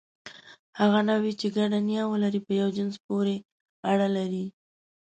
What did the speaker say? هغه نوعې، چې ګډه نیا ولري، په یوه جنس پورې اړه لري.